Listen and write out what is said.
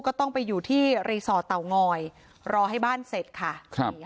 ก็ต้องไปอยู่ที่รีสอร์ทเตางอยรอให้บ้านเสร็จค่ะครับ